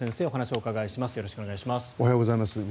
おはようございます。